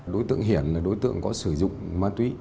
đối tượng hiển là đối tượng có sử dụng ma túy